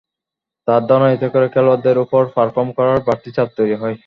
তাঁর ধারণা, এতে করে খেলোয়াড়দের ওপর পারফর্ম করার বাড়তি চাপ তৈরি হয়।